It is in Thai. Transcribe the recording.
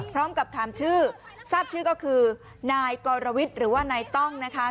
พร้อมกับถามชื่อทราบชื่อก็คือนายกรวิทย์หรือว่านายต้องนะคะ